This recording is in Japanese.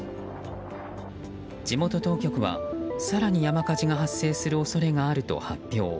地元当局は、更に山火事が発生する恐れがあると発表。